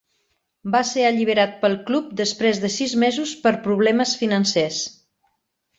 Va ser alliberat pel club després de sis mesos per problemes financers.